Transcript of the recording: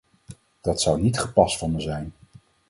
Dat zou niet gepast van me zijn.